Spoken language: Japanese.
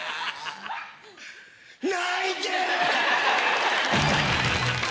泣いてる。